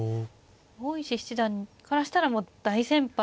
大石七段からしたらもう大先輩ですし。